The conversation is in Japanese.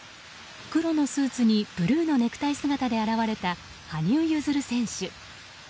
黒のスーツにブルーのネクタイ姿で現れた羽生結弦選手。